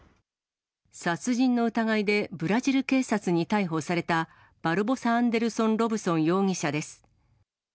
殺人の疑いでブラジル警察に逮捕された、バルボサ・アンデルソン・ロブソン容疑者です。